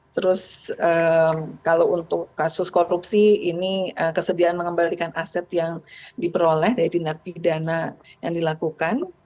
terus kalau untuk kasus korupsi ini kesediaan mengembalikan aset yang diperoleh dari tindak pidana yang dilakukan